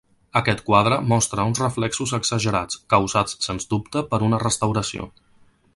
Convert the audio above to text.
Aquest quadre mostra uns reflexos exagerats, causats sens dubte per una restauració.